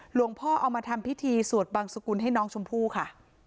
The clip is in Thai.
เอามาทำพิธีสวดบังสุกุลให้น้องชมพู่ค่ะ